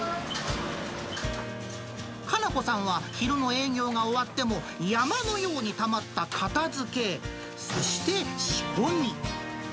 かなこさんは昼の営業が終わっても山のようにたまった片づけ、そして仕込み。